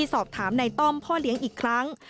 สอบถามในต้อมพ่อเลี้ยงอีกครั้ง